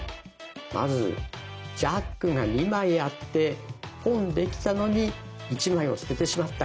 まずジャックが２枚あって「ポン」できたのに１枚を捨ててしまった。